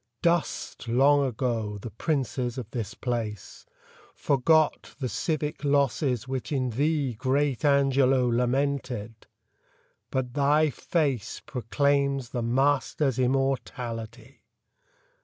Dust, long ago, the princes of this place ; Forgot the civic losses which in thee Great Angelo lamented ; but thy face Proclaims the master's immortality!